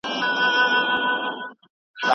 دا شراب یې له شېرازه دي راوړي